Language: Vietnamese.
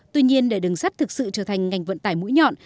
tuy nhiên để đường sắt thực sự trở thành ngành vận tải mũi nhọn